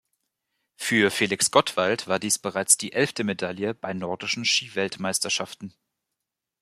Für Felix Gottwald war dies bereits die elfte Medaille bei Nordischen Skiweltmeisterschaften.